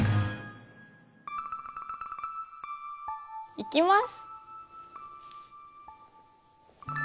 いきます。